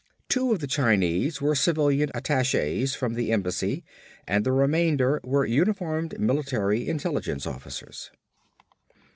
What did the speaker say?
Two of the Chinese were civilian attachés from the embassy and the remainder were uniformed, military intelligence officers.